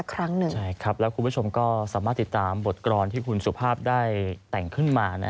คุณผู้ชมก็สามารถติดตามบทกรรณที่คุณสุภาพได้แต่งขึ้นมา